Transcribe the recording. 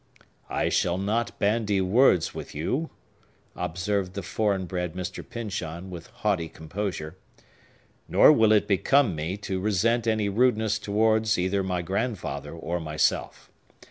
"I shall not bandy words with you," observed the foreign bred Mr. Pyncheon, with haughty composure. "Nor will it become me to resent any rudeness towards either my grandfather or myself.